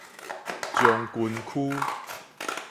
將軍區